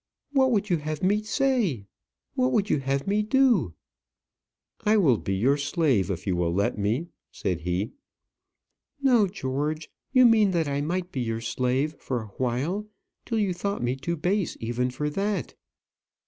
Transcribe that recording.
"What would you have me say? what would you have me do?" "I will be your slave if you will let me," said he. "No, George you mean that I might be your slave for awhile, till you thought me too base even for that."